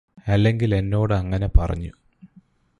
അല്ലെങ്കില് എന്നോട് അങ്ങനെ പറഞ്ഞു